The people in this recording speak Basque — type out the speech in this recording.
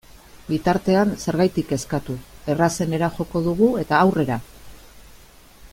Bitartean, zergatik kezkatu, errazenera joko dugu eta aurrera!